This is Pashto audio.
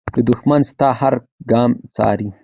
دښمن ستا هر ګام څاري